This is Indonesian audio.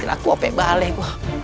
aku apa balik gua